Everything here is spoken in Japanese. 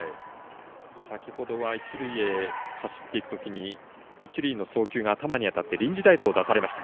先ほどは一塁へ走っていくときに一塁の送球が頭に当たって臨時代走を出されました。